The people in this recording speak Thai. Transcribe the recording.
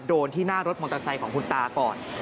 โดนที่หน้ารถมอเตอร์ไซค์ของคุณตาก่อน